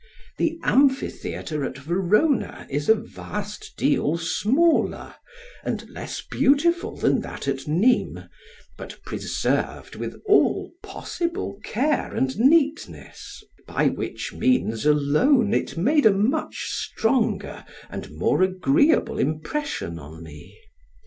The amphitheatre at Verona is a vast deal smaller, and less beautiful than that at Nismes, but preserved with all possible care and neatness, by which means alone it made a much stronger and more agreeable impression on me.